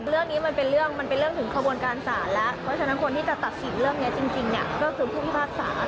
เรื่องนี้มันเป็นเรื่องมันเป็นเรื่องถึงขบวนการศาลแล้วเพราะฉะนั้นคนที่จะตัดสินเรื่องนี้จริงเนี่ยก็คือผู้พิพากษา